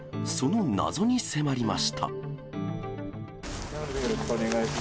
その謎に迫りました。